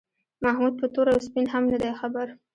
محمود په تور او سپین هم نه دی خبر.